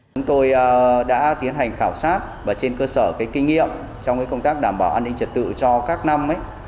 chúng tôi đã tiến hành khảo sát và trên cơ sở kinh nghiệm trong công tác đảm bảo an ninh trật tự cho các năm